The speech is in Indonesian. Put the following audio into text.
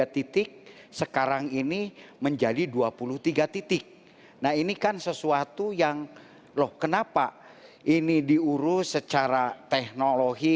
tiga titik sekarang ini menjadi dua puluh tiga titik nah ini kan sesuatu yang loh kenapa ini diurus secara teknologi